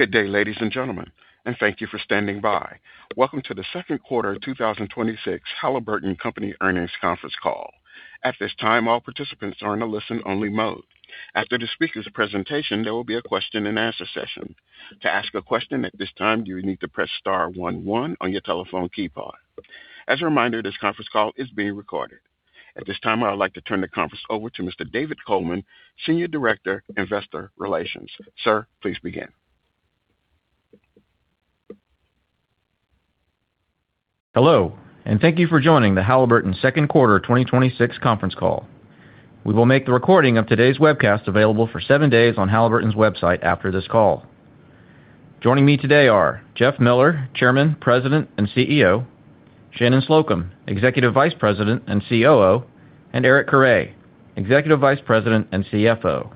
Good day, ladies and gentlemen, and thank you for standing by. Welcome to the second quarter 2026 Halliburton Company earnings conference call. At this time, all participants are in a listen-only mode. After the speakers' presentation, there will be a question-and-answer session. To ask a question at this time, you need to press star one one on your telephone keypad. As a reminder, this conference call is being recorded. At this time, I would like to turn the conference over to Mr. David Coleman, Senior Director, Investor Relations. Sir, please begin. Hello, and thank you for joining the Halliburton second quarter 2026 conference call. We will make the recording of today's webcast available for seven days on Halliburton's website after this call. Joining me today are Jeff Miller, Chairman, President, and CEO, Shannon Slocum, Executive Vice President and COO, and Eric Carre, Executive Vice President and CFO.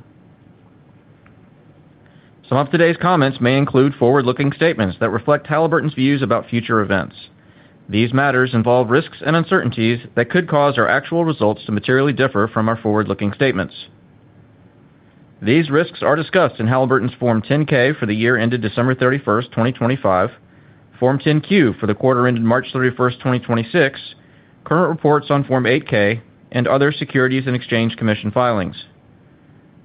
Some of today's comments may include forward-looking statements that reflect Halliburton's views about future events. These matters involve risks and uncertainties that could cause our actual results to materially differ from our forward-looking statements. These risks are discussed in Halliburton's Form 10-K for the year ended December 31st, 2025, Form 10-Q for the quarter ended March 31st, 2026, current reports on Form 8-K, and other Securities and Exchange Commission filings.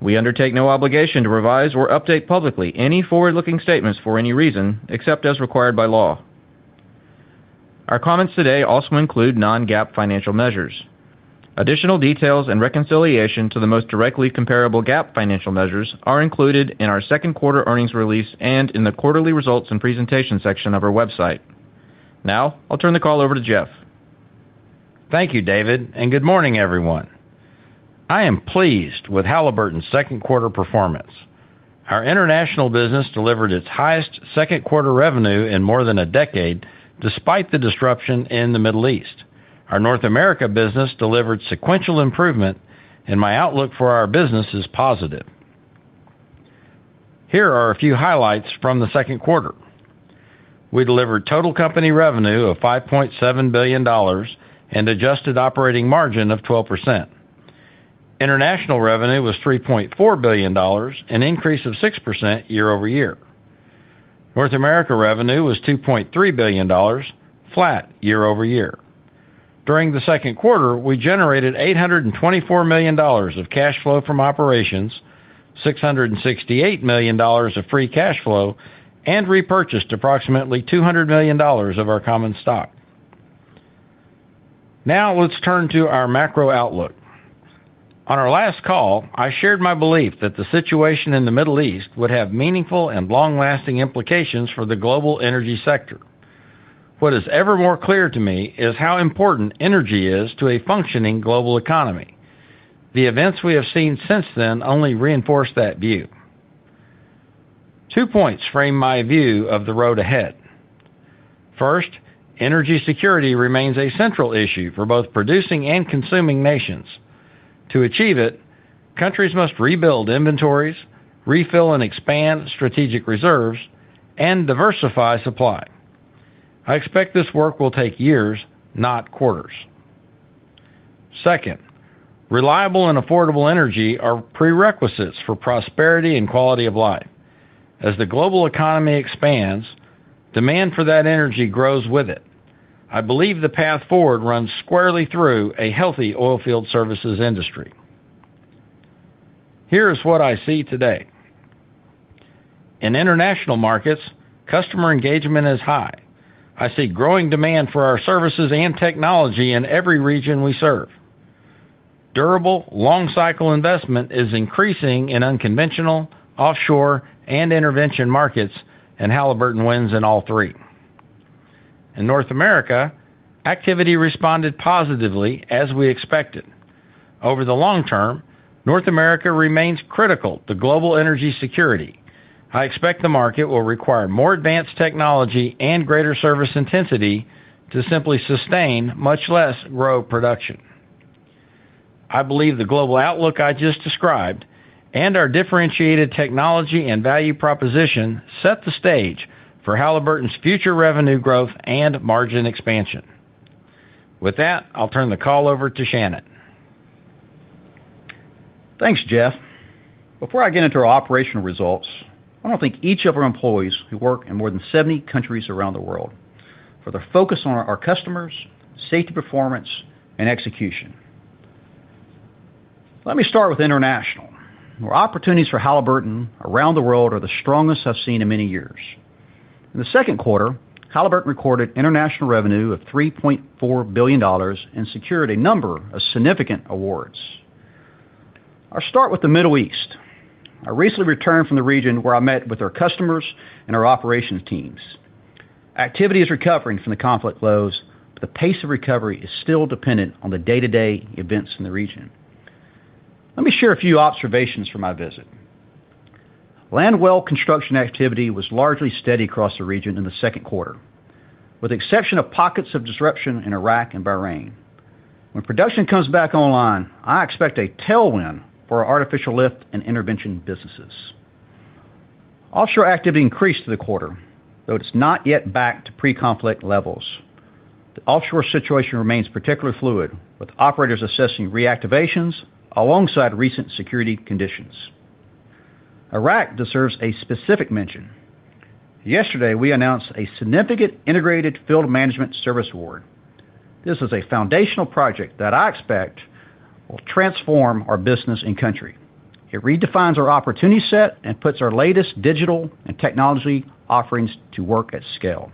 We undertake no obligation to revise or update publicly any forward-looking statements for any reason, except as required by law. Our comments today also include non-GAAP financial measures. Additional details and reconciliation to the most directly comparable GAAP financial measures are included in our second quarter earnings release and in the quarterly results and presentation section of our website. I'll turn the call over to Jeff. Thank you, David, and good morning, everyone. I am pleased with Halliburton's second quarter performance. Our international business delivered its highest second quarter revenue in more than a decade, despite the disruption in the Middle East. Our North America business delivered sequential improvement, and my outlook for our business is positive. Here are a few highlights from the second quarter. We delivered total company revenue of $5.7 billion and adjusted operating margin of 12%. International revenue was $3.4 billion, an increase of 6% year-over-year. North America revenue was $2.3 billion, flat year-over-year. During the second quarter, we generated $824 million of cash flow from operations, $668 million of free cash flow, and repurchased approximately $200 million of our common stock. Let's turn to our macro-outlook. On our last call, I shared my belief that the situation in the Middle East would have meaningful and long-lasting implications for the global energy sector. What is ever more clear to me is how important energy is to a functioning global economy. The events we have seen since then only reinforce that view. Two points frame my view of the road ahead. First, energy security remains a central issue for both producing and consuming nations. To achieve it, countries must rebuild inventories, refill and expand strategic reserves, and diversify supply. I expect this work will take years, not quarters. Second, reliable and affordable energy are prerequisites for prosperity and quality of life. As the global economy expands, demand for that energy grows with it. I believe the path forward runs squarely through a healthy oilfield services industry. Here is what I see today. In international markets, customer engagement is high. I see growing demand for our services and technology in every region we serve. Durable, long-cycle investment is increasing in unconventional, offshore, and intervention markets, and Halliburton wins in all three. In North America, activity responded positively as we expected. Over the long term, North America remains critical to global energy security. I expect the market will require more advanced technology and greater service intensity to simply sustain, much less grow production. I believe the global outlook I just described, and our differentiated technology and value proposition set the stage for Halliburton's future revenue growth and margin expansion. With that, I'll turn the call over to Shannon. Thanks, Jeff. Before I get into our operational results, I want to thank each of our employees who work in more than 70 countries around the world for their focus on our customers, safety performance, and execution. Let me start with international, where opportunities for Halliburton around the world are the strongest I've seen in many years. In the second quarter, Halliburton recorded international revenue of $3.4 billion and secured a number of significant awards. I'll start with the Middle East. I recently returned from the region where I met with our customers and our operations teams. Activity is recovering from the conflict lows, but the pace of recovery is still dependent on the day-to-day events in the region. Let me share a few observations from my visit. Land well construction activity was largely steady across the region in the second quarter, with the exception of pockets of disruption in Iraq and Bahrain. When production comes back online, I expect a tailwind for our artificial lift and intervention businesses. Offshore activity increased through the quarter, though it's not yet back to pre-conflict levels. The offshore situation remains particularly fluid, with operators assessing reactivations alongside recent security conditions. Iraq deserves a specific mention. Yesterday, we announced a significant Integrated Field Management service award. This is a foundational project that I expect will transform our business in country. It redefines our opportunity set and puts our latest digital and technology offerings to work at scale.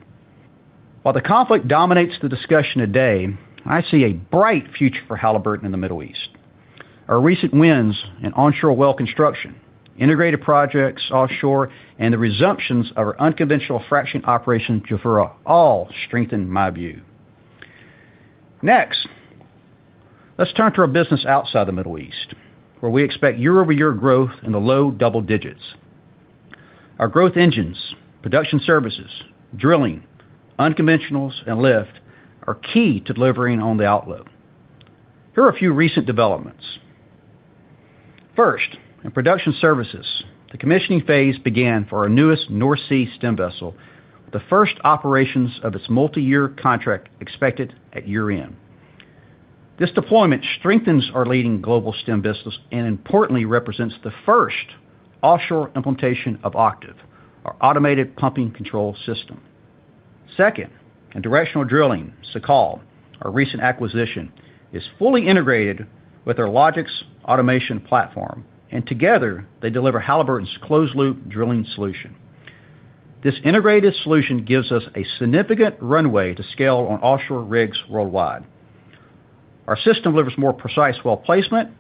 While the conflict dominates the discussion today, I see a bright future for Halliburton in the Middle East. Our recent wins in onshore well construction, integrated projects offshore, and the resumptions of our unconventional fracturing operations in Jafurah all strengthen my view. Let's turn to our business outside the Middle East, where we expect year-over-year growth in the low double digits. Our growth engines, production services, drilling, unconventionals, and lift are key to delivering on the outlook. Here are a few recent developments. In production services, the commissioning phase began for our newest North Sea stim vessel, with the first operations of its multi-year contract expected at year-end. This deployment strengthens our leading global stim business and importantly represents the first offshore implementation of OCTIV, our automated pumping control system. In directional drilling, Sekal, our recent acquisition, is fully integrated with our LOGIX automation platform, and together, they deliver Halliburton's closed-loop drilling solution. This integrated solution gives us a significant runway to scale on offshore rigs worldwide. Our system delivers more precise well placement,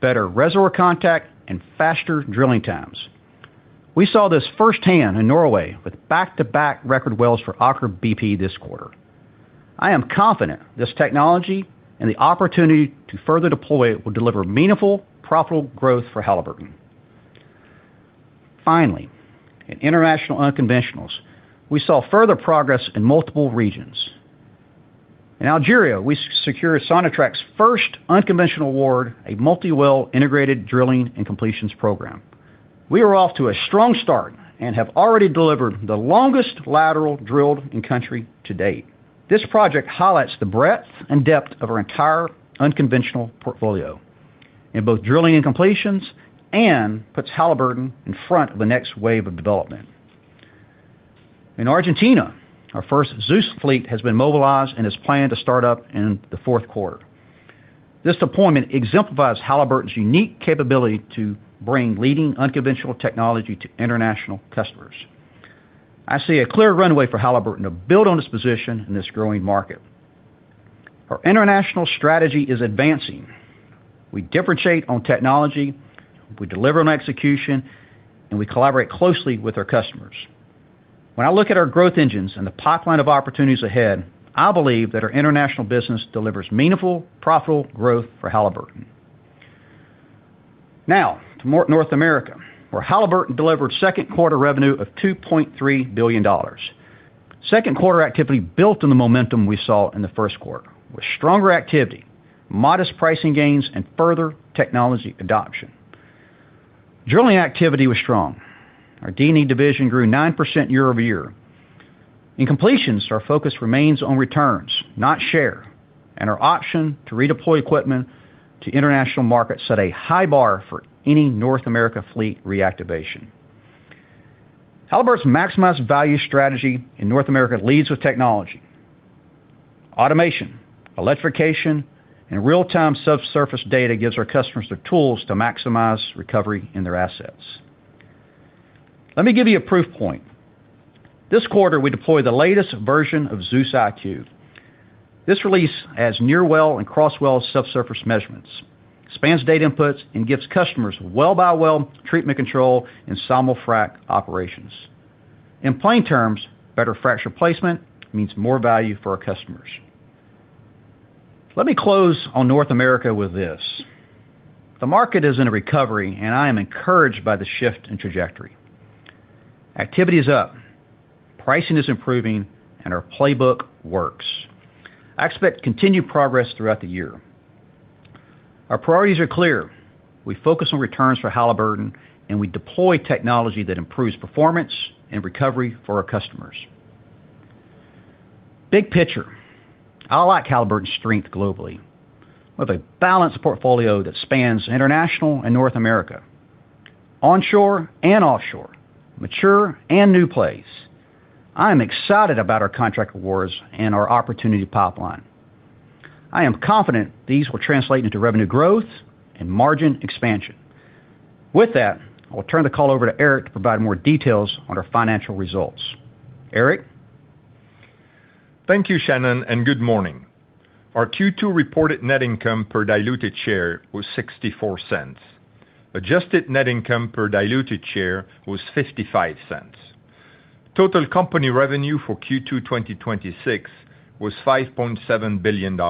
better reservoir contact, and faster drilling times. We saw this firsthand in Norway with back-to-back record wells for Aker BP this quarter. I am confident this technology and the opportunity to further deploy it will deliver meaningful, profitable growth for Halliburton. In international unconventionals, we saw further progress in multiple regions. In Algeria, we secured Sonatrach's first unconventional award, a multi-well integrated drilling and completions program. We are off to a strong start and have already delivered the longest lateral drilled in country to date. This project highlights the breadth and depth of our entire unconventional portfolio in both drilling and completions and puts Halliburton in front of the next wave of development. In Argentina, our first ZEUS fleet has been mobilized and is planned to start up in the fourth quarter. This deployment exemplifies Halliburton's unique capability to bring leading unconventional technology to international customers. I see a clear runway for Halliburton to build on its position in this growing market. Our international strategy is advancing. We differentiate on technology, we deliver on execution, and we collaborate closely with our customers. To North America, where Halliburton delivered second quarter revenue of $2.3 billion. Second quarter activity built on the momentum we saw in the first quarter with stronger activity, modest pricing gains, and further technology adoption. Drilling activity was strong. Our D&E division grew 9% year-over-year. In completions, our focus remains on returns, not share, and our option to redeploy equipment to international markets set a high bar for any North America fleet reactivation. Halliburton's maximized value strategy in North America leads with technology. Automation, electrification, and real-time subsurface data gives our customers the tools to maximize recovery in their assets. Let me give you a proof point. This quarter, we deployed the latest version of ZEUS IQ. This release has near well and crosswell subsurface measurements, expands data inputs, and gives customers well-by-well treatment control in simul-frac operations. In plain terms, better fracture placement means more value for our customers. Let me close on North America with this. The market is in a recovery, and I am encouraged by the shift in trajectory. Activity is up, pricing is improving, and our playbook works. I expect continued progress throughout the year. Our priorities are clear. We focus on returns for Halliburton, and we deploy technology that improves performance and recovery for our customers. Big picture, I like Halliburton's strength globally, with a balanced portfolio that spans international and North America, onshore and offshore, mature and new plays. I am excited about our contract awards and our opportunity pipeline. I am confident these will translate into revenue growth and margin expansion. With that, I'll turn the call over to Eric Carre to provide more details on our financial results. Eric? Thank you, Shannon, and good morning. Our Q2 reported net income per diluted share was $0.64. Adjusted net income per diluted share was $0.55. Total company revenue for Q2 2026 was $5.7 billion,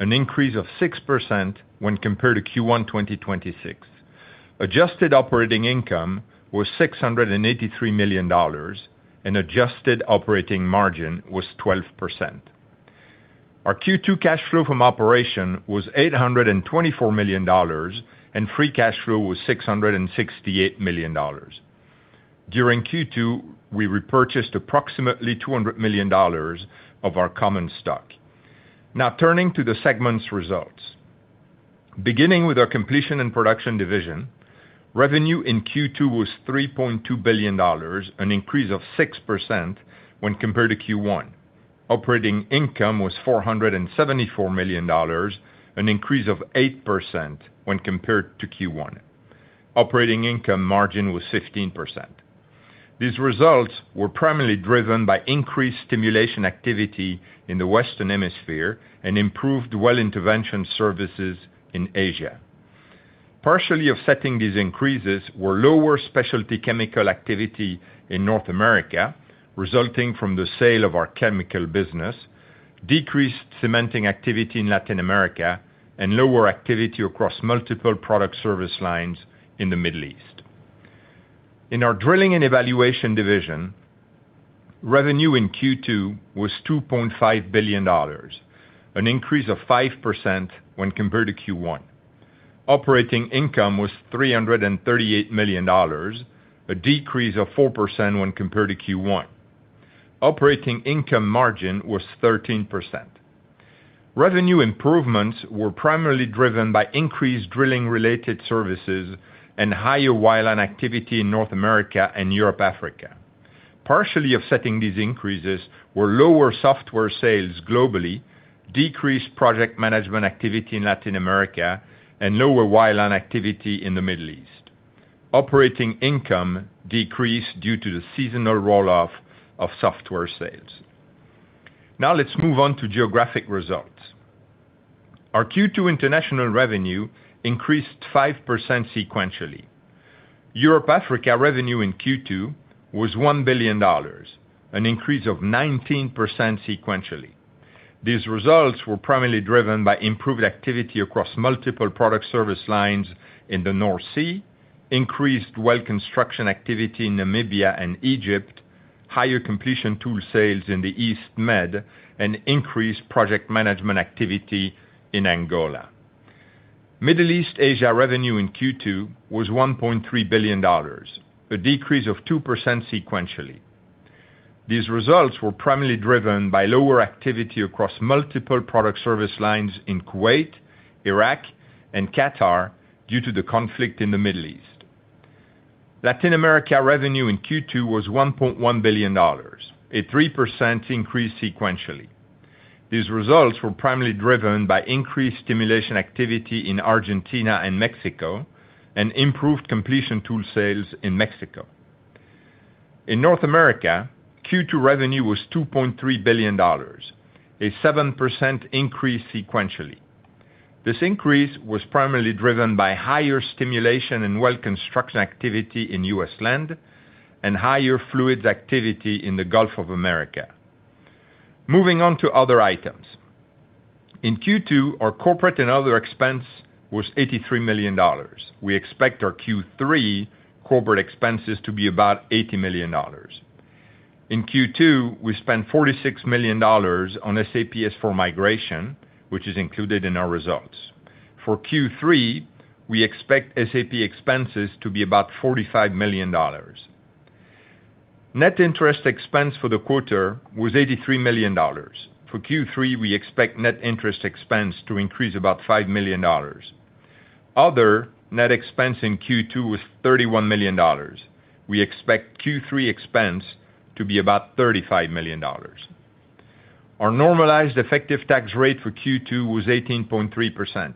an increase of 6% when compared to Q1 2026. Adjusted operating income was $683 million, and adjusted operating margin was 12%. Our Q2 cash flow from operation was $824 million, and free cash flow was $668 million. During Q2, we repurchased approximately $200 million of our common stock. Turning to the segment results. Beginning with our Completion and Production division, revenue in Q2 was $3.2 billion, an increase of 6% when compared to Q1. Operating income was $474 million, an increase of 8% when compared to Q1. Operating income margin was 15%. These results were primarily driven by increased stimulation activity in the Western Hemisphere and improved well intervention services in Asia. Partially offsetting these increases were lower specialty chemical activity in North America, resulting from the sale of our chemical business, decreased cementing activity in Latin America, and lower activity across multiple product service lines in the Middle East. In our Drilling and Evaluation division, revenue in Q2 was $2.5 billion, an increase of 5% when compared to Q1. Operating income was $338 million, a decrease of 4% when compared to Q1. Operating income margin was 13%. Revenue improvements were primarily driven by increased drilling related services and higher land activity in North America and Europe, Africa. Partially offsetting these increases were lower software sales globally, decreased project management activity in Latin America, and lower land activity in the Middle East. Operating income decreased due to the seasonal roll-off of software sales. Let's move on to geographic results. Our Q2 international revenue increased 5% sequentially. Europe, Africa revenue in Q2 was $1 billion, an increase of 19% sequentially. These results were primarily driven by improved activity across multiple product service lines in the North Sea, increased well construction activity in Namibia and Egypt, higher completion tool sales in the East Med, and increased project management activity in Angola. Middle East-Asia revenue in Q2 was $1.3 billion, a decrease of 2% sequentially. These results were primarily driven by lower activity across multiple product service lines in Kuwait, Iraq, and Qatar due to the conflict in the Middle East. Latin America revenue in Q2 was $1.1 billion, a 3% increase sequentially. These results were primarily driven by increased stimulation activity in Argentina and Mexico, and improved completion tool sales in Mexico. In North America, Q2 revenue was $2.3 billion, a 7% increase sequentially. This increase was primarily driven by higher stimulation and well construction activity in U.S. land and higher fluids activity in the Gulf of Mexico. Moving on to other items. In Q2, our corporate and other expense was $83 million. We expect our Q3 corporate expenses to be about $80 million. In Q2, we spent $46 million on SAP S/4 migration, which is included in our results. For Q3, we expect SAP expenses to be about $45 million. Net interest expense for the quarter was $83 million. For Q3, we expect net interest expense to increase about $5 million. Other net expense in Q2 was $31 million. We expect Q3 expense to be about $35 million. Our normalized effective tax rate for Q2 was 18.3%.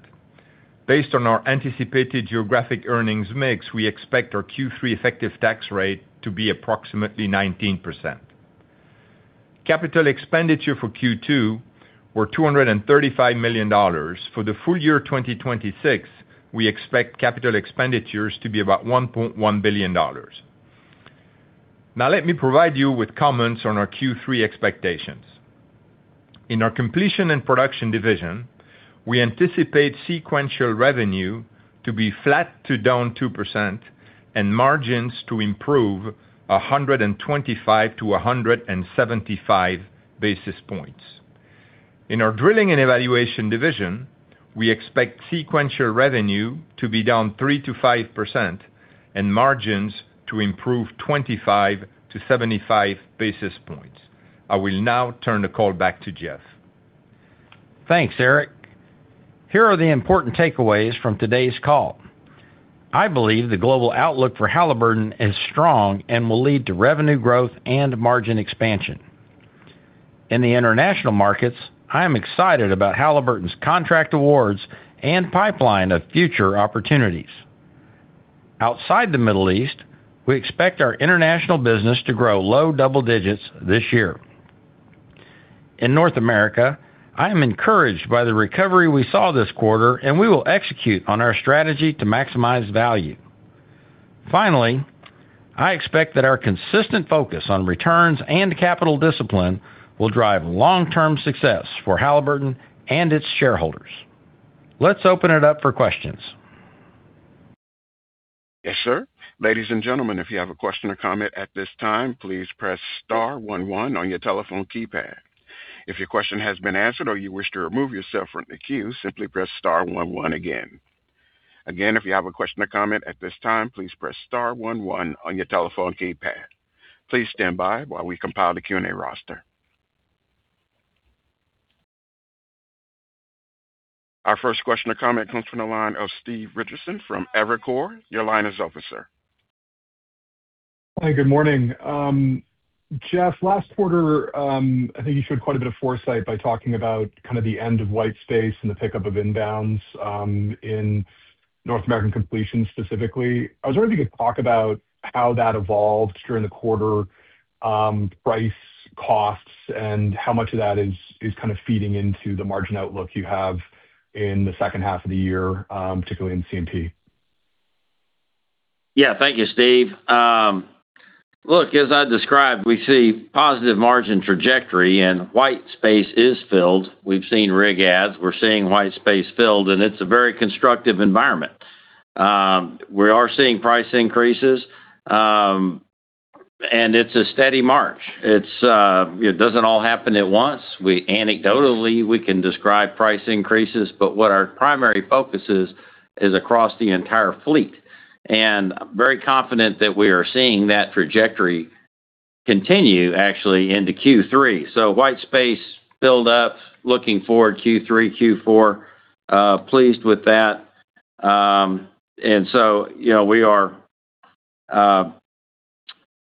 Based on our anticipated geographic earnings mix, we expect our Q3 effective tax rate to be approximately 19%. Capital expenditure for Q2 were $235 million. For the full year 2026, we expect capital expenditures to be about $1.1 billion. Let me provide you with comments on our Q3 expectations. In our Completion and Production division, we anticipate sequential revenue to be flat to down 2% and margins to improve 125 to 175 basis points. In our Drilling and Evaluation division, we expect sequential revenue to be down 3%-5% and margins to improve 25 to 75 basis points. I will now turn the call back to Jeff. Thanks, Eric. Here are the important takeaways from today's call. I believe the global outlook for Halliburton is strong and will lead to revenue growth and margin expansion. In the international markets, I am excited about Halliburton's contract awards and pipeline of future opportunities. Outside the Middle East, we expect our international business to grow low double digits this year. In North America, I am encouraged by the recovery we saw this quarter, and we will execute on our strategy to maximize value. Finally, I expect that our consistent focus on returns and capital discipline will drive long-term success for Halliburton and its shareholders. Let's open it up for questions. Yes, sir. Ladies and gentlemen, if you have a question or comment at this time, please press star one one on your telephone keypad. If your question has been answered or you wish to remove yourself from the queue, simply press star one one again. Again, if you have a question or comment at this time, please press star one one on your telephone keypad. Please stand by while we compile the Q&A roster. Our first question or comment comes from the line of Steve Richardson from Evercore. Your line is open, sir. Hi, good morning. Jeff, last quarter, I think you showed quite a bit of foresight by talking about kind of the end of white space and the pickup of inbounds, in North American Completion and Production specifically. I was wondering if you could talk about how that evolved during the quarter, price costs, and how much of that is kind of feeding into the margin outlook you have in the second half of the year, particularly in C&P. Yeah. Thank you, Steve. Look, as I described, we see positive margin trajectory and white space is filled. We've seen rig adds, we're seeing white space filled, and it's a very constructive environment. We are seeing price increases, and it's a steady march. It doesn't all happen at once. Anecdotally, we can describe price increases, but what our primary focus is across the entire fleet. Very confident that we are seeing that trajectory continue, actually, into Q3. White space filled up looking forward, Q3, Q4. Pleased with that. We are,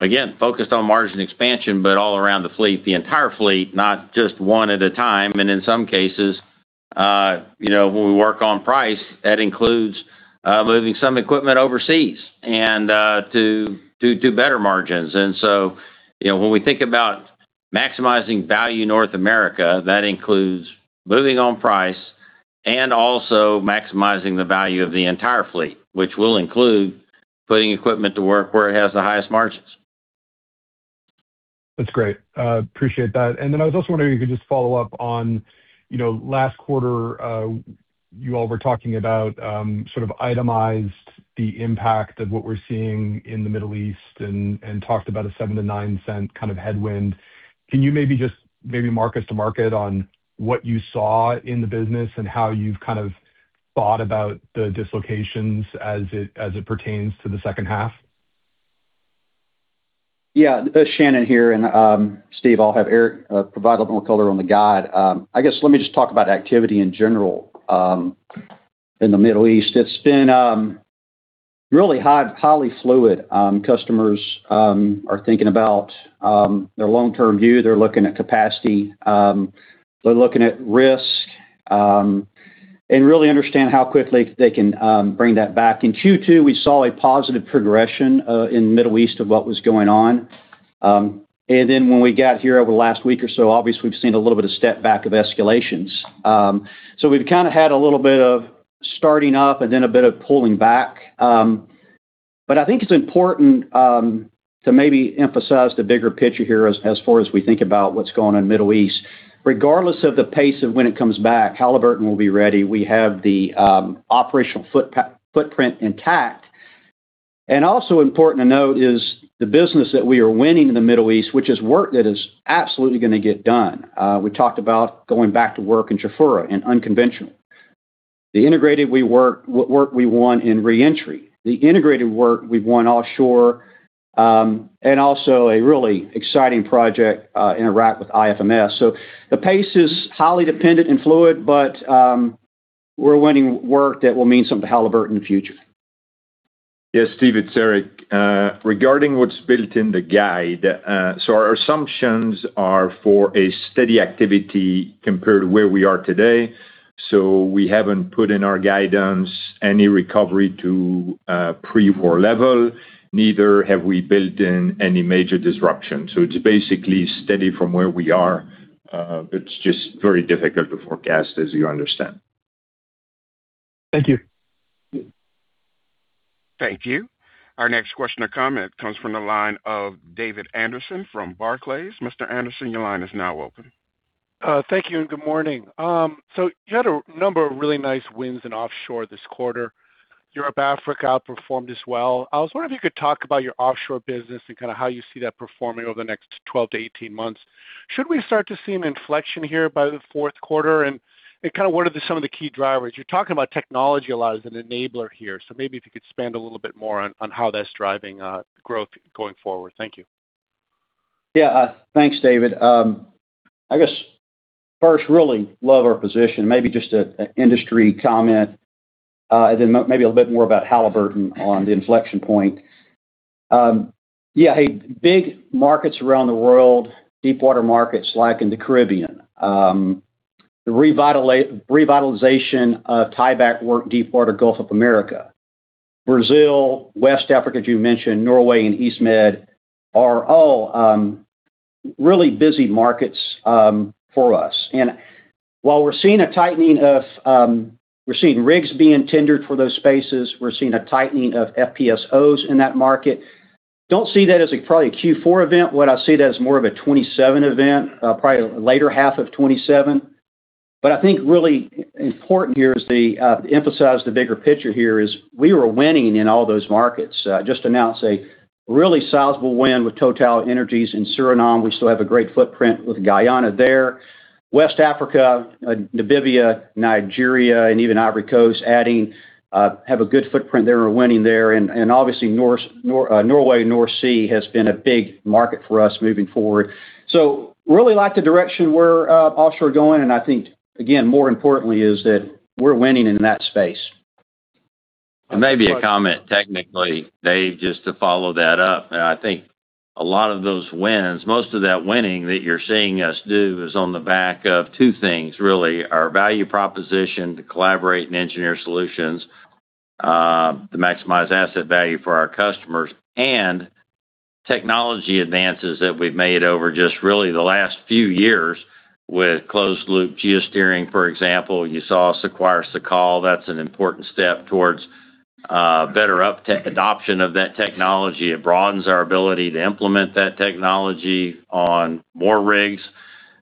again, focused on margin expansion, but all around the fleet, the entire fleet, not just one at a time. In some cases, when we work on price, that includes, moving some equipment overseas to do better margins. When we think about maximizing value in North America, that includes moving on price and also maximizing the value of the entire fleet, which will include putting equipment to work where it has the highest margins. That's great. Appreciate that. I was also wondering if you could just follow up on last quarter, you all were talking about, sort of itemized the impact of what we're seeing in the Middle East and talked about a $0.07-$0.09 kind of headwind. Can you maybe just mark us to market on what you saw in the business and how you've kind of thought about the dislocations as it pertains to the second half? Yeah. Shannon here. Steve, I'll have Eric provide a little more color on the guide. I guess, let me just talk about activity in general in the Middle East. It's been really highly fluid. Customers are thinking about their long-term view. They're looking at capacity. They're looking at risk, really understand how quickly they can bring that back. In Q2, we saw a positive progression in Middle East of what was going on. When we got here over the last week or so, obviously, we've seen a little bit of step back of escalations. We've kind of had a little bit of starting up and then a bit of pulling back. I think it's important to maybe emphasize the bigger picture here as far as we think about what's going on in Middle East. Regardless of the pace of when it comes back, Halliburton will be ready. We have the operational footprint intact. Also important to note is the business that we are winning in the Middle East, which is work that is absolutely gonna get done. We talked about going back to work in Jafurah in unconventional. The integrated work we won in re-entry. The integrated work we've won offshore, also a really exciting project in Iraq with IFMS. The pace is highly dependent and fluid, we're winning work that will mean something to Halliburton in the future. Yes, Steve, it's Eric. Regarding what's built in the guide, our assumptions are for a steady activity compared to where we are today. We haven't put in our guidance any recovery to pre-war level, neither have we built in any major disruption. It's basically steady from where we are. It's just very difficult to forecast, as you understand. Thank you. Thank you. Our next question or comment comes from the line of David Anderson from Barclays. Mr. Anderson, your line is now open. Thank you, and good morning. You had a number of really nice wins in offshore this quarter. Europe, Africa outperformed as well. I was wondering if you could talk about your offshore business and kind of how you see that performing over the next 12-18 months. Should we start to see an inflection here by the fourth quarter, what are some of the key drivers? You're talking about technology a lot as an enabler here, so maybe if you could expand a little bit more on how that's driving growth going forward. Thank you. Thanks, David. I guess first, really love our position. Maybe just an industry comment, then maybe a little bit more about Halliburton on the inflection point. Hey, big markets around the world, deepwater markets like in the Caribbean. The revitalization of tieback work, deepwater Gulf of Mexico. Brazil, West Africa, as you mentioned, Norway, and East Med are all really busy markets for us. While we're seeing rigs being tendered for those spaces, we're seeing a tightening of FPSOs in that market. Don't see that as probably a Q4 event. What I see that as more of a 2027 event, probably later half of 2027 I think really important here is to emphasize the bigger picture here is we were winning in all those markets. Just announced a really sizable win with TotalEnergies in Suriname. We still have a great footprint with Guyana there. West Africa, Namibia, Nigeria, and even Ivory Coast adding, have a good footprint there, we're winning there. Obviously, Norway, North Sea has been a big market for us moving forward. Really like the direction we're offshore going, and I think, again, more importantly, is that we're winning in that space. Maybe a comment technically, Dave, just to follow that up. I think a lot of those wins, most of that winning that you're seeing us do is on the back of two things, really, our value proposition to collaborate and engineer solutions, to maximize asset value for our customers, and technology advances that we've made over just really the last few years with closed loop geosteering, for example. You saw us acquire Sekal. That's an important step towards better adoption of that technology. It broadens our ability to implement that technology on more rigs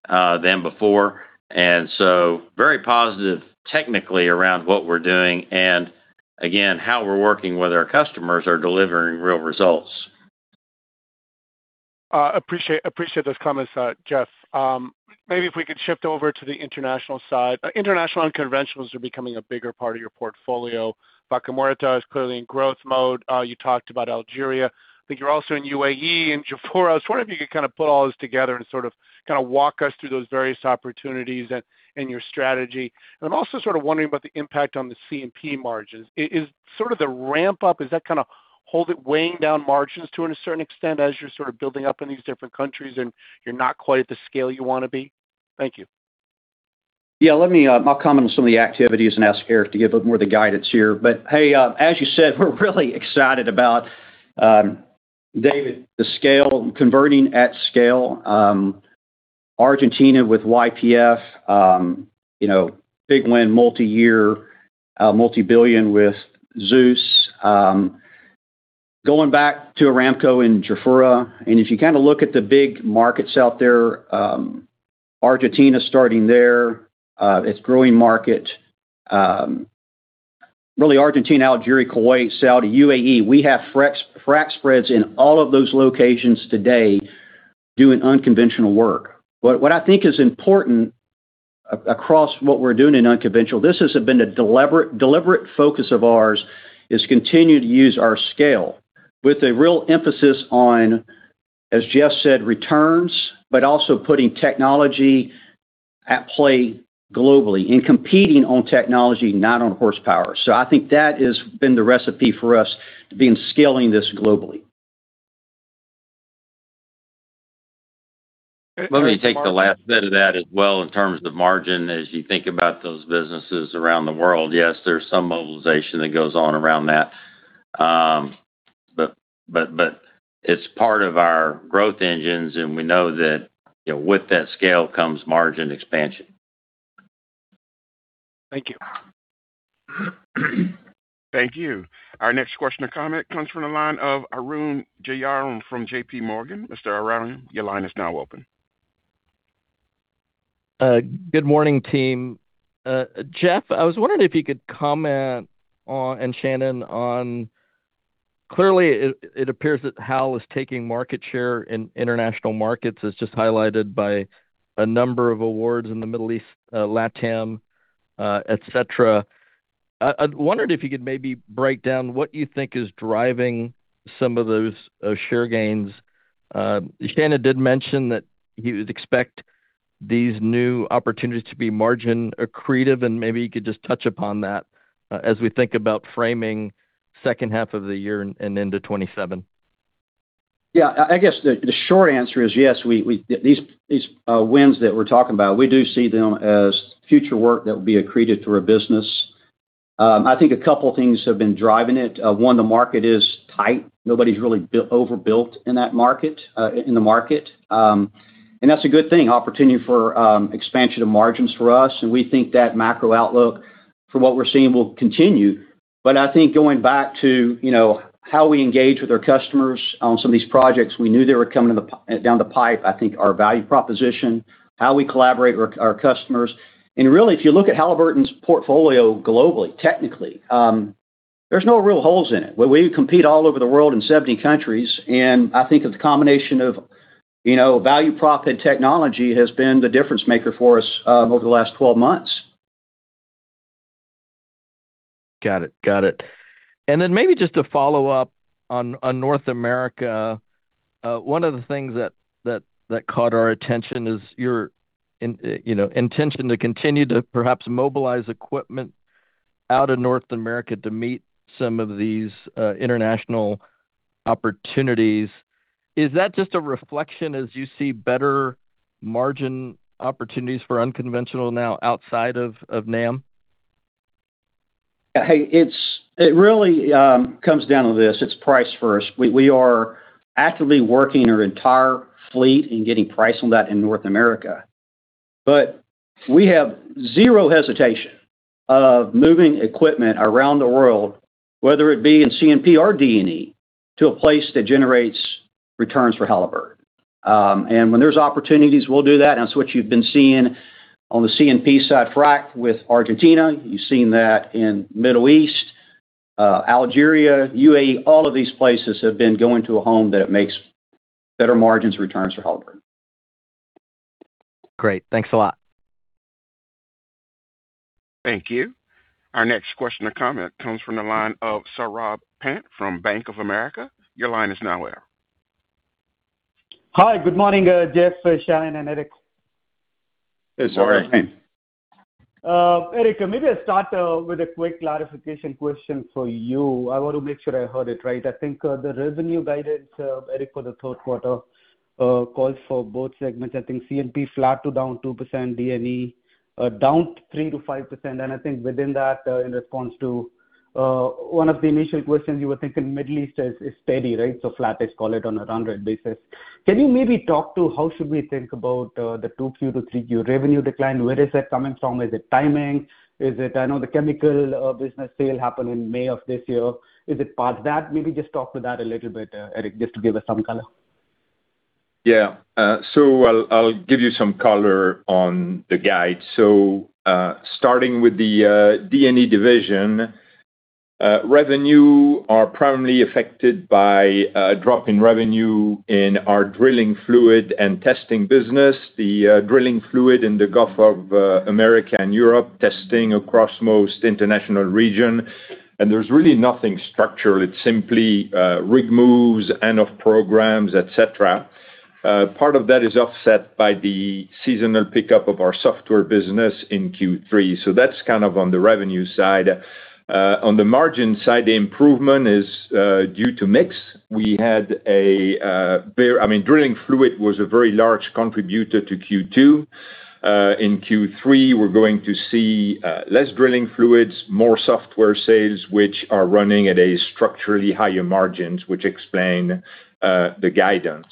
than before. Very positive technically around what we're doing and again, how we're working with our customers are delivering real results. Appreciate those comments, Jeff. Maybe if we could shift over to the international side. International and conventionals are becoming a bigger part of your portfolio. Vaca Muerta is clearly in growth mode. You talked about Algeria, but you're also in U.A.E. and Jafurah. I was wondering if you could kind of put all this together and sort of walk us through those various opportunities and your strategy. I'm also sort of wondering about the impact on the C&P margins. Is sort of the ramp up, is that kind of hold it weighing down margins to a certain extent as you're sort of building up in these different countries and you're not quite at the scale you want to be? Thank you. Yeah. I'll comment on some of the activities and ask Eric to give more of the guidance here. Hey, as you said, we're really excited about, David, the scale, converting at scale. Argentina with YPF, big win, multi-year, multi-billion with ZEUS. Going back to Aramco and Jafurah. If you kind of look at the big markets out there, Argentina starting there, it's growing market. Really Argentina, Algeria, Kuwait, Saudi, U.A.E., we have frac spreads in all of those locations today doing unconventional work. What I think is important across what we're doing in unconventional, this has been a deliberate focus of ours, is continue to use our scale with a real emphasis on, as Jeff said, returns, but also putting technology at play globally and competing on technology, not on horsepower. I think that has been the recipe for us to being scaling this globally. Let me take the last bit of that as well in terms of margin. As you think about those businesses around the world, yes, there's some mobilization that goes on around that. It's part of our growth engines, we know that with that scale comes margin expansion. Thank you. Thank you. Our next question or comment comes from the line of Arun Jayaram from JPMorgan. Mr. Arun, your line is now open. Good morning, team. Jeff, I was wondering if you could comment on, and Shannon, clearly, it appears that Hall is taking market share in international markets as just highlighted by a number of awards in the Middle East, LATAM, et cetera. I wondered if you could maybe break down what you think is driving some of those share gains. Shannon did mention that you would expect these new opportunities to be margin accretive, and maybe you could just touch upon that, as we think about framing second half of the year and into 2027. Yeah. I guess the short answer is yes. These wins that we're talking about, we do see them as future work that will be accretive to our business. I think a couple things have been driving it. One, the market is tight. Nobody's really overbuilt in the market. That's a good thing. Opportunity for expansion of margins for us, we think that macro outlook for what we're seeing will continue. I think going back to how we engage with our customers on some of these projects, we knew they were coming down the pipe. I think our value proposition, how we collaborate with our customers. Really, if you look at Halliburton's portfolio globally, technically, there's no real holes in it. We compete all over the world in 70 countries, I think it's a combination of value prop and technology has been the difference maker for us over the last 12 months. Got it. Then maybe just to follow up on North America. One of the things that caught our attention is your intention to continue to perhaps mobilize equipment out of North America to meet some of these international opportunities. Is that just a reflection as you see better margin opportunities for unconventional now outside of NAM? Hey, it really comes down to this. It's price first. We are actively working our entire fleet and getting price on that in North America. We have zero hesitation of moving equipment around the world, whether it be in C&P or D&E, to a place that generates returns for Halliburton. When there's opportunities, we'll do that, and that's what you've been seeing on the C&P side frac with Argentina. You've seen that in Middle East, Algeria, UAE, all of these places have been going to a home that makes better margins returns for Halliburton. Great. Thanks a lot. Thank you. Our next question or comment comes from the line of Saurabh Pant from Bank of America. Your line is now open. Hi, good morning, Jeff, Shannon, and Eric. Hey, Saurabh. Good morning. Eric, maybe I start with a quick clarification question for you. I want to make sure I heard it right. I think the revenue guidance, Eric, for the third quarter, calls for both segments, C&P flat to down 2%, D&E down 3%-5%. I think within that, in response to one of the initial questions, you were thinking Middle East is steady, right? Flat is call it on a run rate basis. Can you maybe talk to how should we think about the 2Q to 3Q revenue decline? Where is that coming from? Is it timing? I know the chemical business sale happened in May of this year. Is it part of that? Maybe just talk to that a little bit, Eric, just to give us some color. Yeah. I'll give you some color on the guide. Starting with the D&E division, revenue are primarily affected by a drop in revenue in our drilling fluid and testing business, the drilling fluid in the Gulf of Mexico and Europe, testing across most international region. There's really nothing structural. It's simply rig moves, end of programs, et cetera. Part of that is offset by the seasonal pickup of our software business in Q3. That's kind of on the revenue side. On the margin side, the improvement is due to mix. Drilling fluid was a very large contributor to Q2. In Q3, we're going to see less drilling fluids, more software sales, which are running at structurally higher margins, which explain the guidance.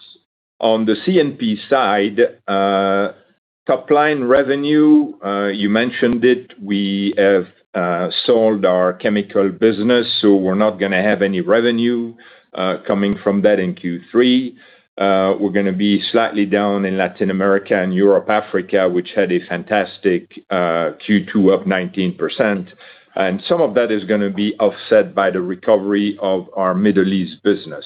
On the C&P side, top-line revenue, you mentioned it, we have sold our chemical business, we're not gonna have any revenue coming from that in Q3. We're gonna be slightly down in Latin America and Europe, Africa, which had a fantastic Q2 of 19%. Some of that is gonna be offset by the recovery of our Middle East business.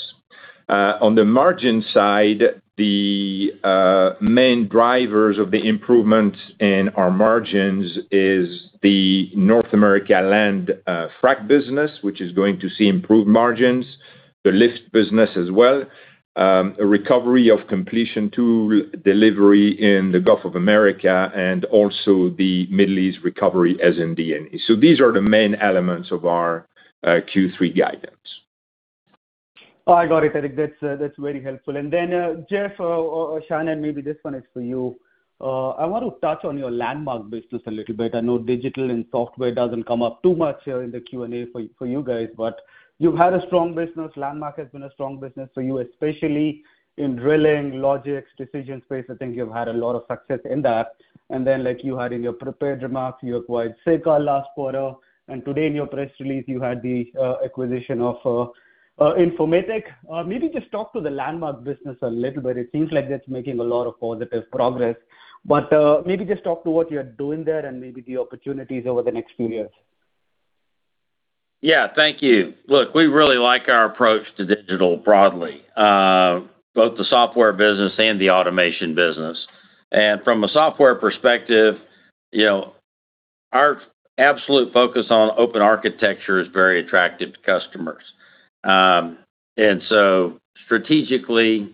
On the margin side, the main drivers of the improvements in our margins is the North America land frac business, which is going to see improved margins, the lift business as well, a recovery of completion tool delivery in the Gulf of Mexico and also the Middle East recovery as in D&E. These are the main elements of our Q3 guidance. I got it, Eric. That's very helpful. Jeff or Shannon, maybe this one is for you. I want to touch on your Landmark business a little bit. I know digital and software doesn't come up too much here in the Q&A for you guys, but you've had a strong business. Landmark has been a strong business for you, especially in drilling LOGIX DecisionSpace. I think you've had a lot of success in that. Like you had in your prepared remarks, you acquired Sekal last quarter, and today in your press release, you had the acquisition of InformatiQ AS. Maybe just talk to the Landmark business a little bit. It seems like that's making a lot of positive progress, but maybe just talk to what you're doing there and maybe the opportunities over the next few years. Yeah. Thank you. Look, we really like our approach to digital broadly, both the software business and the automation business. From a software perspective, our absolute focus on open architecture is very attractive to customers. Strategically,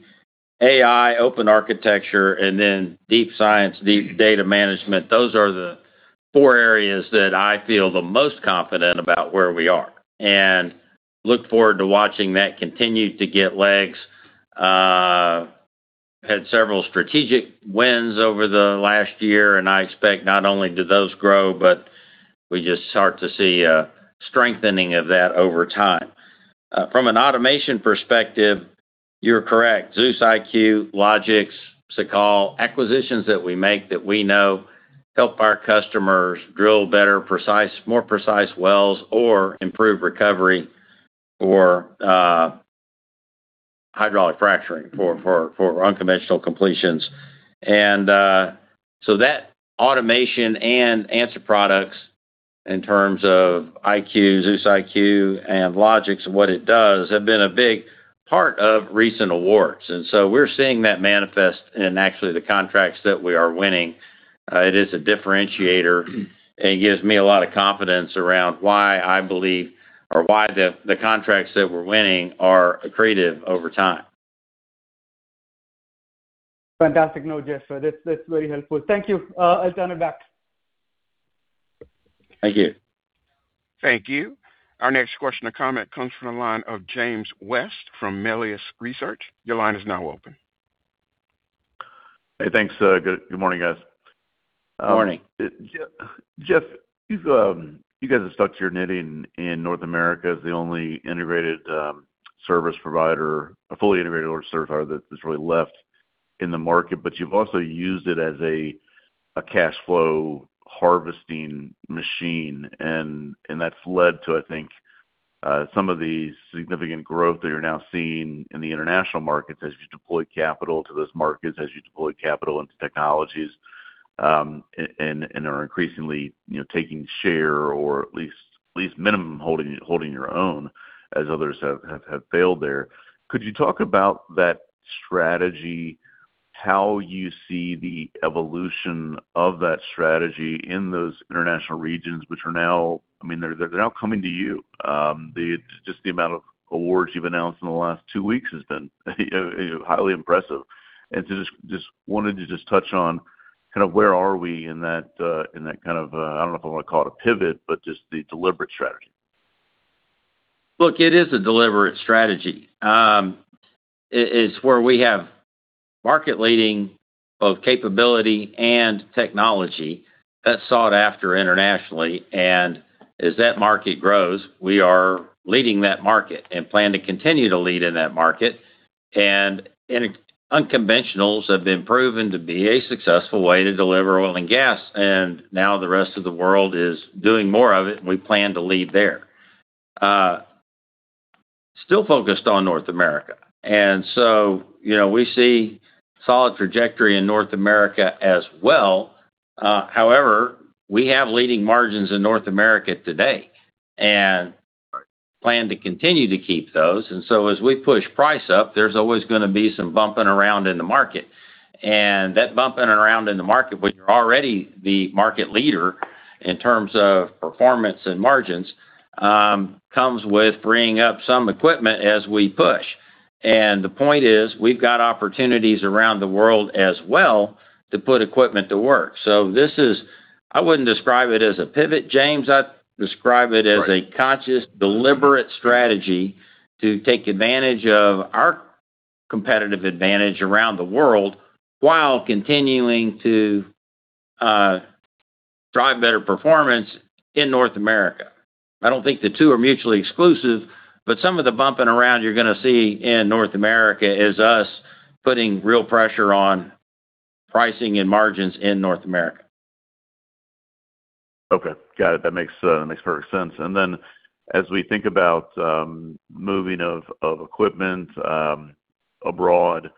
AI, open architecture, then deep science, deep data management, those are the four areas that I feel the most confident about where we are, and look forward to watching that continue to get legs. Had several strategic wins over the last year, and I expect not only do those grow, but we just start to see a strengthening of that over time. From an automation perspective, you're correct. ZEUS IQ™, LOGIX, Sekal, acquisitions that we make that we know help our customers drill better, more precise wells or improve recovery or hydraulic fracturing for unconventional completions. That automation and answer products in terms of ZEUS IQ™ and LOGIX and what it does have been a big part of recent awards. We're seeing that manifest in actually the contracts that we are winning. It is a differentiator, and it gives me a lot of confidence around why, I believe, or why the contracts that we're winning are accretive over time. Fantastic note, Jeff. That's very helpful. Thank you. I'll turn it back. Thank you. Thank you. Our next question or comment comes from the line of James West from Melius Research. Your line is now open. Hey, thanks. Good morning, guys. Morning. Jeff, you guys have stuck to your knitting in North America as the only integrated service provider, a fully integrated service provider that's really left in the market, but you've also used it as a cash flow harvesting machine, and that's led to Some of the significant growth that you're now seeing in the international markets as you deploy capital to those markets, as you deploy capital into technologies, and are increasingly taking share or at least minimum holding your own as others have failed there. Could you talk about that strategy, how you see the evolution of that strategy in those international regions, which are now coming to you? Just the amount of awards you've announced in the last two weeks has been highly impressive. I Wanted to just touch on where are we in that, I don't know if I want to call it a pivot, but just the deliberate strategy. Look, it is a deliberate strategy. It is where we have market-leading both capability and technology that's sought after internationally. As that market grows, we are leading that market and plan to continue to lead in that market. Unconventionals have been proven to be a successful way to deliver oil and gas. Now the rest of the world is doing more of it, and we plan to lead there. Still focused on North America. So, we see solid trajectory in North America as well. However, we have leading margins in North America today and plan to continue to keep those. As we push price up, there's always going to be some bumping around in the market. That bumping around in the market when you're already the market leader in terms of performance and margins, comes with bringing up some equipment as we push. The point is, we've got opportunities around the world as well to put equipment to work. This is-- I wouldn't describe it as a pivot, James. I'd describe it as a conscious-deliberate strategy to take advantage of our competitive advantage around the world while continuing to drive better performance in North America. I don't think the two are mutually exclusive, but some of the bumping around you're going to see in North America is us putting real pressure on pricing and margins in North America. Okay. Got it. That makes perfect sense. As we think about moving of equipment abroad,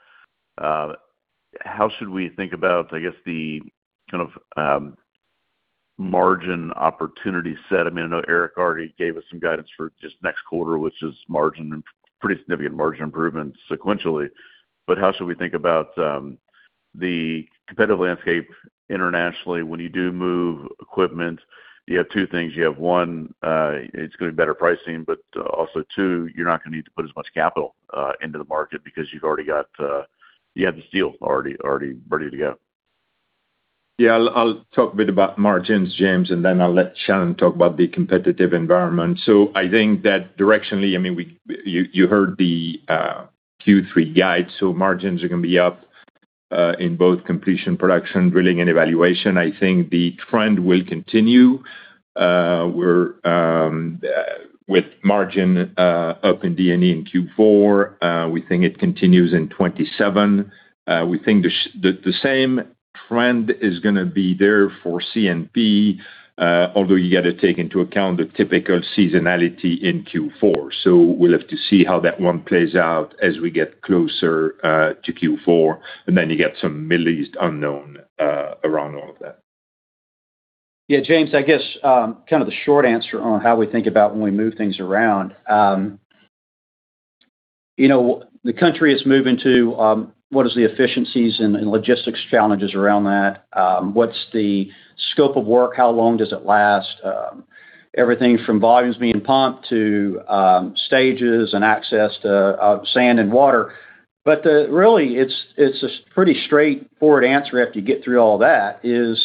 how should we think about, I guess the kind of margin opportunity set? I know Eric already gave us some guidance for just next quarter, which is pretty significant margin improvement sequentially. How should we think about the competitive landscape internationally when you do move equipment? You have two things. You have one, it's going to be better pricing, also two, you're not going to need to put as much capital into the market because you have the steel already ready to go. Yeah, I'll talk a bit about margins, James, I'll let Shannon talk about the competitive environment. I think that directionally, you heard the Q3 guide. Margins are going to be up, in both Completion and Production, Drilling and Evaluation. I think the trend will continue, with margin up in D&E in Q4. We think it continues in 2027. We think the same trend is gonna be there for C&P, although you got to take into account the typical seasonality in Q4. We'll have to see how that one plays out as we get closer, to Q4. You get some Middle East unknown around all of that. Yeah, James, I guess, the short answer on how we think about when we move things around. The country is moving to, what is the efficiencies and logistics challenges around that? What's the scope of work? How long does it last? Everything from volumes being pumped to stages and access to sand and water. Really, it's a pretty straightforward answer after you get through all that is,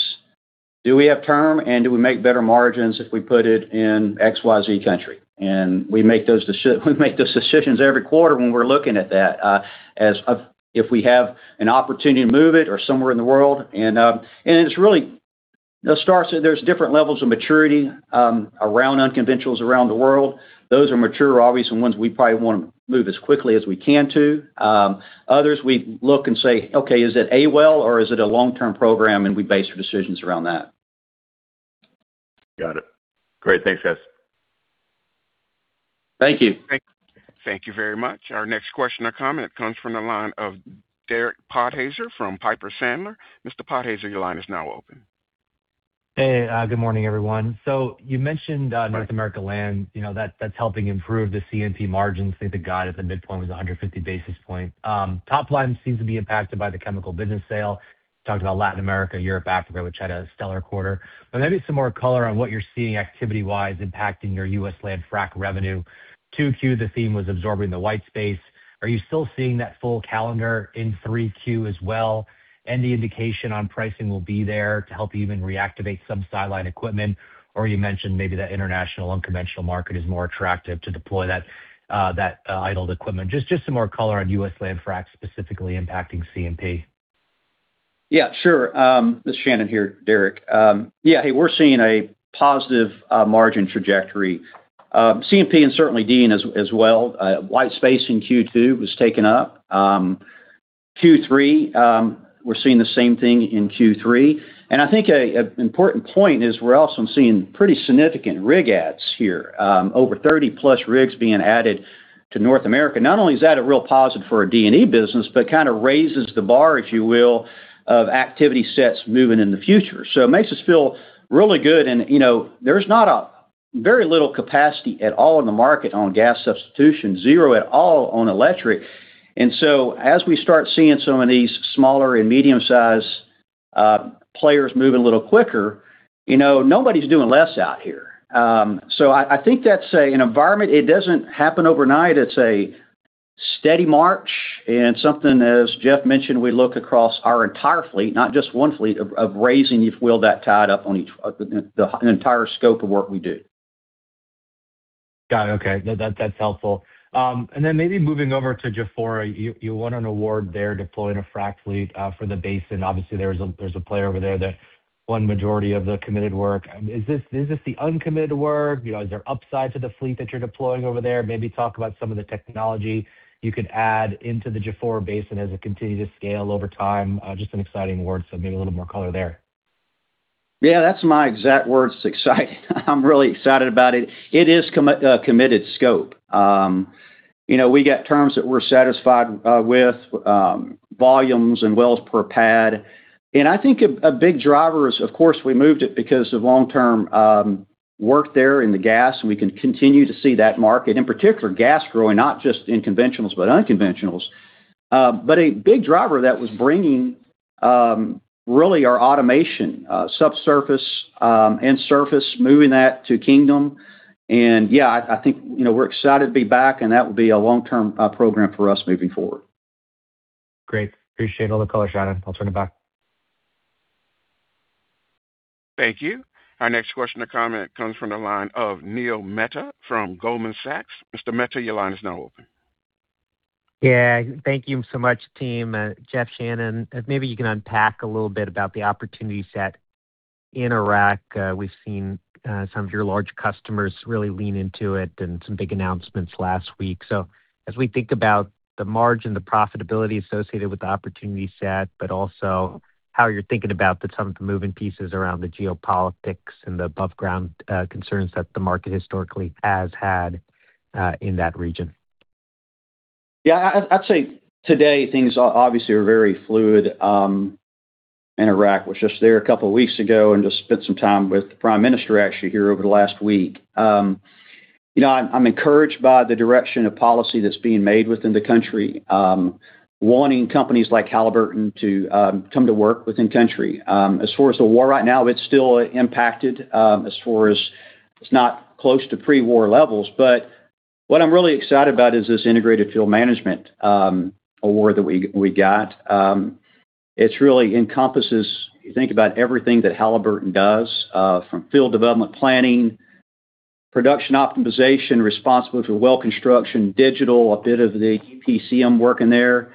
do we have term and do we make better margins if we put it in XYZ country? We make those decisions every quarter when we're looking at that. If we have an opportunity to move it or somewhere in the world, it's really, there's different levels of maturity around unconventionals around the world. Those are mature, obvious, and ones we probably want to move as quickly as we can to. Others, we look and say, "Okay, is it a well, or is it a long-term program?" We base our decisions around that. Got it. Great. Thanks, guys. Thank you. Thank you very much. Our next question or comment comes from the line of Derek Podhaizer from Piper Sandler. Mr. Podhaizer, your line is now open. Hey, good morning, everyone. You mentioned North America land. That's helping improve the C&P margins. I think the guide at the midpoint was 150 basis points. Top line seems to be impacted by the chemical business sale. You talked about Latin America, Europe, Africa, which had a stellar quarter. Maybe some more color on what you're seeing activity-wise impacting your U.S. land frack revenue. 2Q, the theme was absorbing the white space. Are you still seeing that full calendar in 3Q as well? Any indication on pricing will be there to help even reactivate some sideline equipment, or you mentioned maybe that international unconventional market is more attractive to deploy that idled equipment. Just some more color on U.S. land fracks specifically impacting C&P. Yeah, sure. This is Shannon here, Derek. Yeah. Hey, we're seeing a positive margin trajectory. C&P and certainly D&E as well. White space in Q2 was taken up. Q3, we're seeing the same thing in Q3. I think an important point is we're also seeing pretty significant rig adds here. Over 30-plus rigs being added to North America. Not only is that a real positive for our D&E business, but kind of raises the bar, if you will, of activity sets moving in the future. It makes us feel really good. There's very little capacity at all in the market on gas substitution, zero at all on electric. As we start seeing some of these smaller and medium-sized players moving a little quicker, nobody's doing less out here. I think that's an environment, it doesn't happen overnight. It's a steady march and something, as Jeff mentioned, we look across our entire fleet, not just one fleet, of raising, if you will, that tide up on the entire scope of work we do. Got it. Okay. That's helpful. Then maybe moving over to Jafurah. You won an award there deploying a frack fleet for the basin. Obviously, there's a player over there that won majority of the committed work. Is this the uncommitted work? Is there upside to the fleet that you're deploying over there? Maybe talk about some of the technology you could add into the Jafurah basin as it continues to scale over time. Just an exciting award, so maybe a little more color there. That's my exact words, exciting. I'm really excited about it. It is committed scope. We got terms that we're satisfied with, volumes and wells per pad. I think a big driver is, of course, we moved it because of long-term work there in the gas, and we can continue to see that market, in particular gas growing, not just in conventionals but unconventionals. A big driver that was bringing really our automation, subsurface and surface, moving that to Kingdom. Yeah, I think we're excited to be back, and that will be a long-term program for us moving forward. Great. Appreciate all the color, Shannon. I'll turn it back. Thank you. Our next question to comment comes from the line of Neil Mehta from Goldman Sachs. Mr. Mehta, your line is now open. Thank you so much, team. Jeff, Shannon, maybe you can unpack a little bit about the opportunity set in Iraq. We've seen some of your large customers really lean into it and some big announcements last week. As we think about the margin, the profitability associated with the opportunity set, but also how you're thinking about some of the moving pieces around the geopolitics and the aboveground concerns that the market historically has had in that region. I'd say today things obviously are very fluid in Iraq. Was just there a couple of weeks ago and just spent some time with the prime minister, actually, here over the last week. I'm encouraged by the direction of policy that's being made within the country, wanting companies like Halliburton to come to work within country. As far as the war right now, it's still impacted. As far as it's not close to pre-war levels. What I'm really excited about is this Integrated Field Management award that we got. It really encompasses, you think about everything that Halliburton does, from field development planning, production optimization, responsible for well construction, digital, a bit of the EPCM work in there.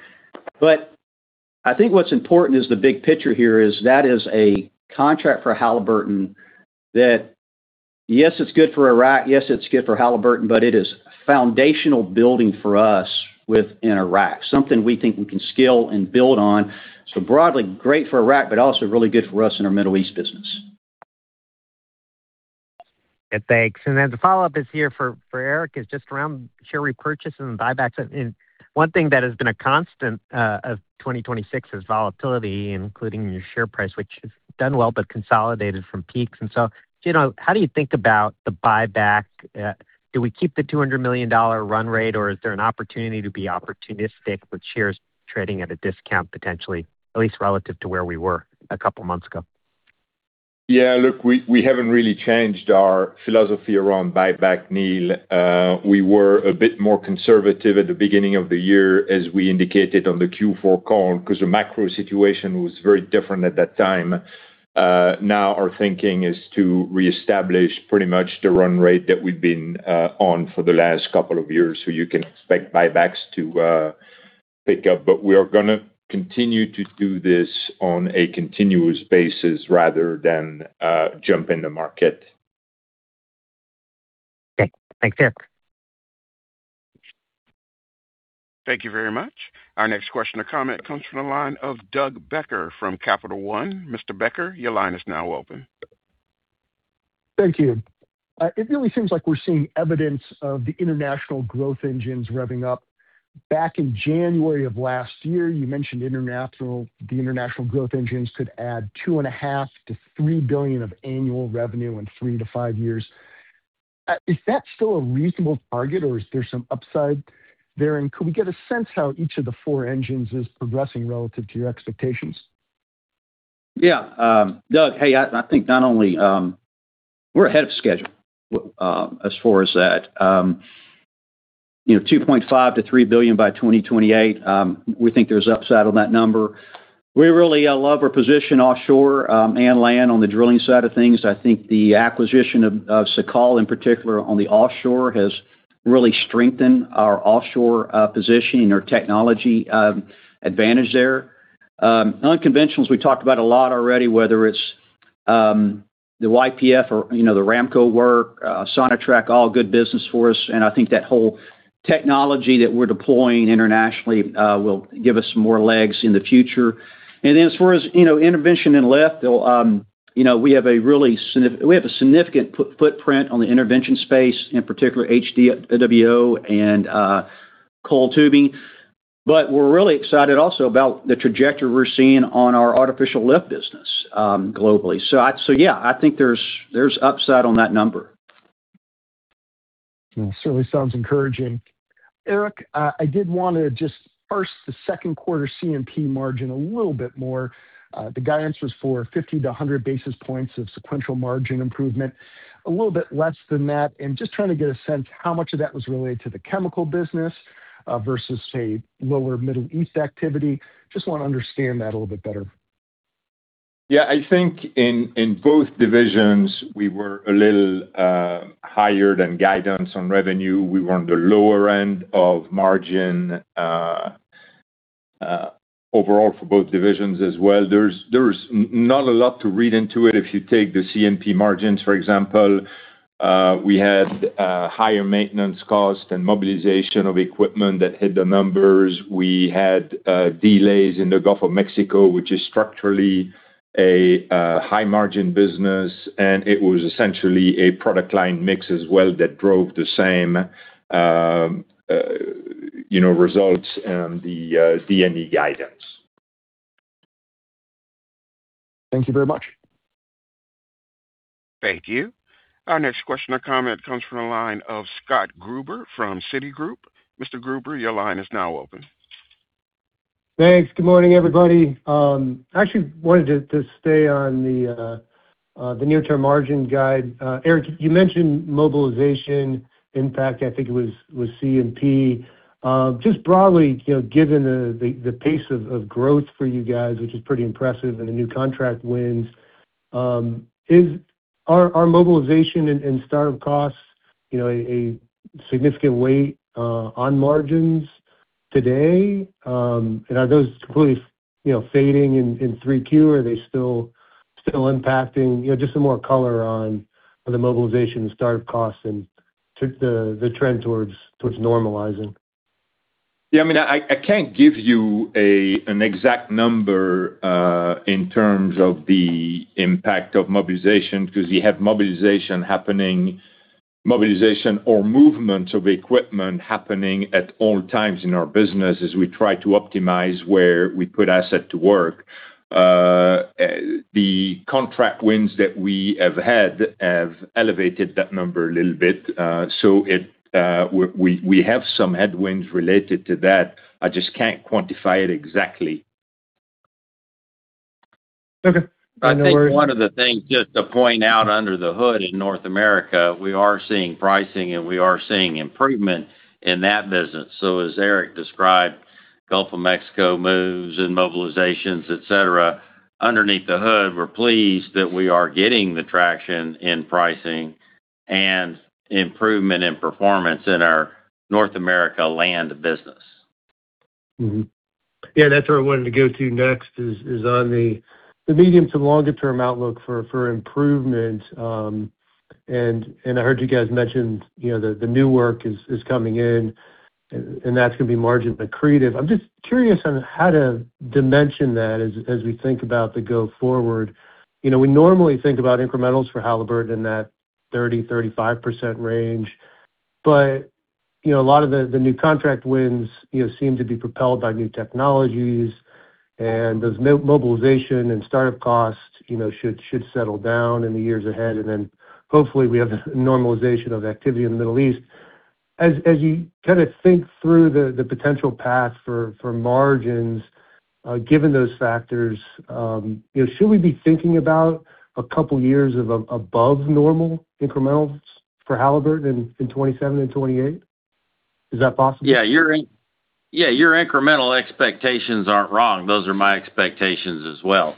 I think what's important is the big picture here is that is a contract for Halliburton that, yes, it's good for Iraq, yes, it's good for Halliburton, but it is foundational building for us within Iraq, something we think we can scale and build on. Broadly great for Iraq, but also really good for us in our Middle East business. Thanks. The follow-up is here for Eric, is just around share repurchase and buybacks. One thing that has been a constant of 2026 is volatility, including your share price, which has done well, but consolidated from peaks. How do you think about the buyback? Do we keep the $200 million run rate, or is there an opportunity to be opportunistic with shares trading at a discount potentially, at least relative to where we were a couple of months ago? Look, we haven't really changed our philosophy around buyback, Neil. We were a bit more conservative at the beginning of the year, as we indicated on the Q4 call, because the macro situation was very different at that time. Our thinking is to reestablish pretty much the run rate that we've been on for the last couple of years. You can expect buybacks to pick up. We are going to continue to do this on a continuous basis rather than jump in the market. Okay. Thanks, Eric. Thank you very much. Our next question comes from the line of Doug Becker from Capital One. Mr. Becker, your line is now open. Thank you. It really seems like we're seeing evidence of the international growth engines revving up. Back in January of last year, you mentioned the international growth engines could add $2.5 billion-$3 billion of annual revenue in 3-5 years. Is that still a reasonable target, or is there some upside there? Could we get a sense how each of the four engines is progressing relative to your expectations? Yeah. Doug, hey, I think we're ahead of schedule as far as that. $2.5 billion-$3 billion by 2028. We think there's upside on that number. We really love our position offshore and land on the drilling side of things. I think the acquisition of Sekal, in particular on the offshore, has really strengthened our offshore positioning, our technology advantage there. Unconventionals, we talked about a lot already, whether it's YPF or the Aramco work, Sonatrach, all good business for us. I think that whole technology that we're deploying internationally will give us some more legs in the future. As far as intervention in lift, we have a significant footprint on the intervention space, in particular, HWO and coiled tubing. We're really excited also about the trajectory we're seeing on our artificial lift business globally. Yeah, I think there's upside on that number. Yeah. Certainly sounds encouraging. Eric, I did want to just parse the second quarter C&P margin a little bit more. The guidance was for 50 to 100 basis points of sequential margin improvement, a little bit less than that. Just trying to get a sense how much of that was related to the chemical business versus, say, lower Middle East activity. Just want to understand that a little bit better. Yeah, I think in both divisions, we were a little higher than guidance on revenue. We were on the lower end of margin, overall for both divisions as well. There's not a lot to read into it. If you take the C&P margins, for example, we had higher maintenance cost and mobilization of equipment that hit the numbers. We had delays in the Gulf of Mexico, which is structurally a high-margin business, and it was essentially a product line mix as well that drove the same results in the D&E guidance. Thank you very much. Thank you. Our next question or comment comes from the line of Scott Gruber from Citigroup. Mr. Gruber, your line is now open. Thanks. Good morning, everybody. I actually wanted to stay on the near-term margin guide. Eric, you mentioned mobilization impact, I think it was C&P. Just broadly, given the pace of growth for you guys, which is pretty impressive, and the new contract wins, are mobilization and startup costs a significant weight on margins today? Are those completely fading in Q3? Are they still impacting? Just some more color on the mobilization and startup costs and the trend towards normalizing. Yeah, I can't give you an exact number in terms of the impact of mobilization because you have mobilization or movement of equipment happening at all times in our business as we try to optimize where we put asset to work. The contract wins that we have had have elevated that number a little bit. We have some headwinds related to that. I just can't quantify it exactly. Okay. No worries. I think one of the things just to point out under the hood in North America, we are seeing pricing and we are seeing improvement in that business. As Eric described, Gulf of Mexico moves and mobilizations, et cetera. Underneath the hood, we are pleased that we are getting the traction in pricing and improvement in performance in our North America land business. That's where I wanted to go to next is on the medium to longer term outlook for improvement. I heard you guys mention the new work is coming in, and that's going to be margin accretive. I am just curious on how to dimension that as we think about the go forward. We normally think about incrementals for Halliburton in that 30%-35% range. A lot of the new contract wins seem to be propelled by new technologies and as mobilization and startup costs should settle down in the years ahead and then hopefully, we have a normalization of activity in the Middle East. As you kind of think through the potential path for margins, given those factors, should we be thinking about a couple of years of above normal incrementals for Halliburton in 2027 and 2028? Is that possible? Your incremental expectations aren't wrong. Those are my expectations as well.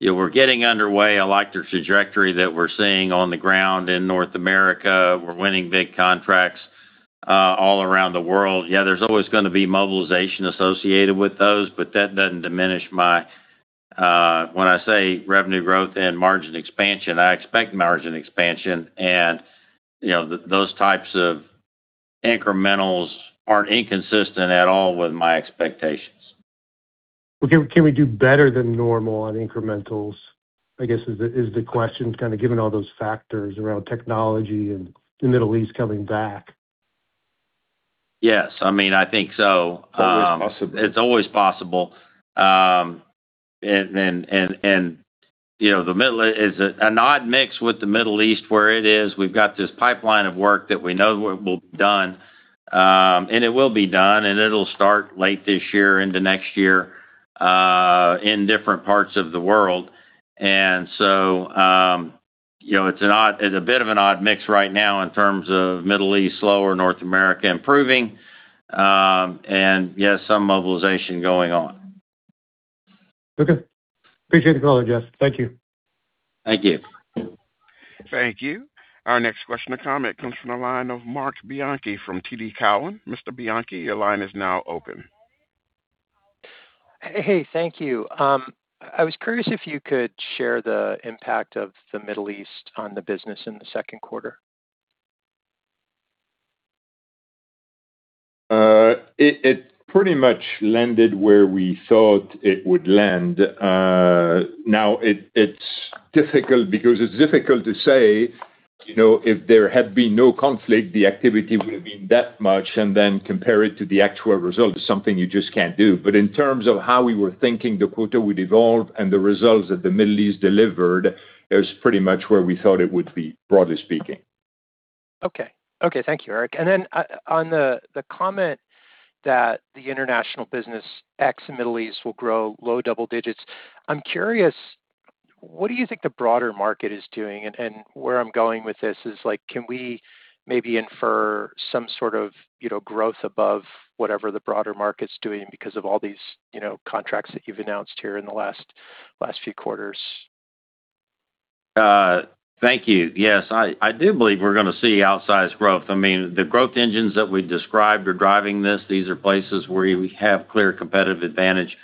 We are getting underway. I like the trajectory that we are seeing on the ground in North America. We are winning big contracts all around the world. There's always going to be mobilization associated with those, but that doesn't diminish when I say revenue growth and margin expansion, I expect margin expansion. Those types of incrementals aren't inconsistent at all with my expectations. Can we do better than normal on incrementals, I guess is the question, kind of given all those factors around technology and the Middle East coming back? Yes. I think so. It's always possible. It's an odd mix with the Middle East where it is. We've got this pipeline of work that we know will be done, and it will be done, and it'll start late this year into next year, in different parts of the world. It's a bit of an odd mix right now in terms of Middle East slower, North America improving. Yeah, some mobilization going on. Okay. Appreciate the color, Jeff. Thank you. Thank you. Thank you. Our next question or comment comes from the line of Marc Bianchi from TD Cowen. Mr. Bianchi, your line is now open. Hey, thank you. I was curious if you could share the impact of the Middle East on the business in the second quarter. It pretty much landed where we thought it would land. It's difficult because it's difficult to say, if there had been no conflict, the activity would have been that much and then compare it to the actual result is something you just can't do. In terms of how we were thinking the quarter would evolve and the results that the Middle East delivered, it was pretty much where we thought it would be, broadly speaking. Okay. Thank you, Eric. On the comment that the international business ex-Middle East will grow low double digits, I'm curious, what do you think the broader market is doing? Where I'm going with this is can we maybe infer some sort of growth above whatever the broader market's doing because of all these contracts that you've announced here in the last few quarters? Thank you. Yes, I do believe we're going to see outsized growth. I mean, the growth engines that we described are driving this. These are places where we have clear competitive advantage,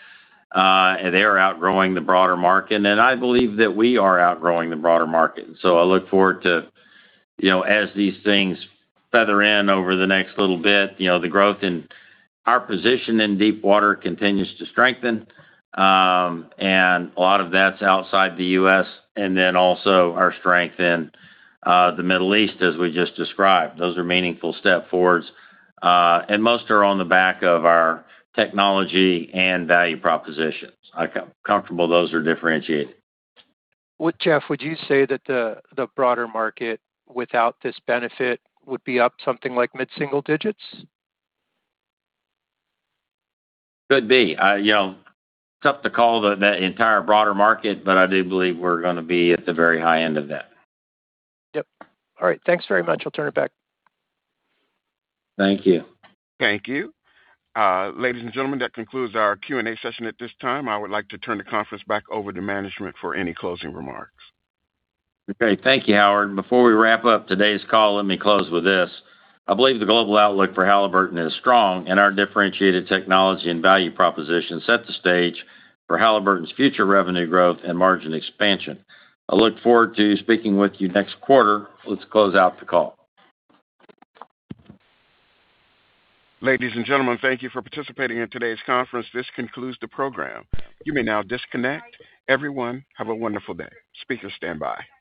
they are outgrowing the broader market, I believe that we are outgrowing the broader market. I look forward to as these things feather in over the next little bit, the growth in our position in deep water continues to strengthen. A lot of that's outside the U.S., also our strength in the Middle East, as we just described. Those are meaningful step forwards. Most are on the back of our technology and value propositions. I'm comfortable those are differentiated. Jeff, would you say that the broader market, without this benefit, would be up something like mid-single digits? Could be. It's tough to call the entire broader market, I do believe we're going to be at the very high end of that. Yep. All right. Thanks very much. I'll turn it back. Thank you. Thank you. Ladies and gentlemen, that concludes our Q&A session. At this time, I would like to turn the conference back over to management for any closing remarks. Okay. Thank you, Howard. Before we wrap up today's call, let me close with this. I believe the global outlook for Halliburton is strong, and our differentiated technology and value proposition set the stage for Halliburton's future revenue growth and margin expansion. I look forward to speaking with you next quarter. Let's close out the call. Ladies and gentlemen, thank you for participating in today's conference. This concludes the program. You may now disconnect. Everyone, have a wonderful day. Speakers stand by.